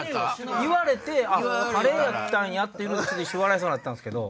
言われてカレーやったんやっていうので一瞬笑いそうになったんすけど。